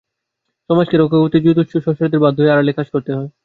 সমাজকে রক্ষা করতে, জুজুৎসু সর্সারারদের বাধ্য হয়ে আড়ালে কাজ করতে হয়।